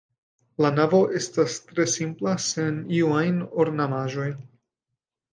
La navo estas tre simpla sen iu ajn ornamaĵoj.